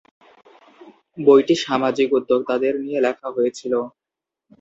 বইটি সামাজিক উদ্যোক্তাদের নিয়ে লেখা হয়েছিল।